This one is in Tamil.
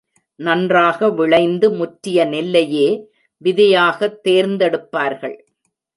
நன்றாக விளைந்து முற்றிய நெல்லையே விதையாகத் தேர்ந்தெடுப்பார்கள்.